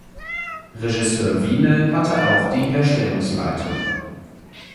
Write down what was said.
Regisseur Wiene hatte auch die Herstellungsleitung.